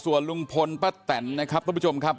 ส่วนลุงพลป้าแตนนะครับทุกผู้ชมครับ